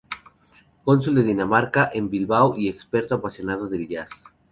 Cónsul de Dinamarca en Bilbao y experto apasionado del jazz.